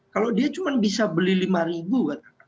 kalau dia cuma bisa beli lima ribu